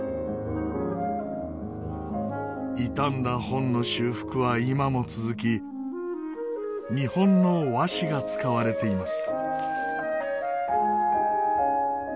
傷んだ本の修復は今も続き日本の和紙が使われています。